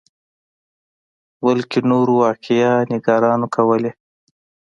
بلکې نورو واقعه نګارانو کولې.